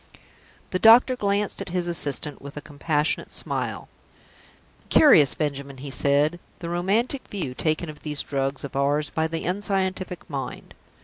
The doctor glanced at his assistant with a compassionate smile. "Curious, Benjamin," he said, "the romantic view taken of these drugs of ours by the unscientific mind!